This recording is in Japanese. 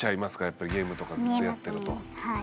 やっぱりゲームとかずっとやってると。